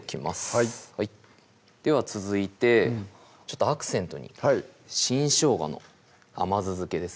はいでは続いてアクセントに新しょうがの甘酢漬けですね